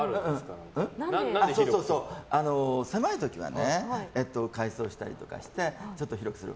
狭い時はね改装したりとかしてちょっと広くする。